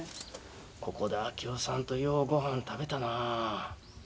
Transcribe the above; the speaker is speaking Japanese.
ここで明雄さんとようごはん食べたなー。